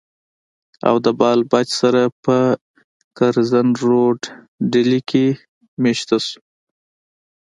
او د بال بچ سره پۀ کرزن روډ ډيلي کښې ميشته شو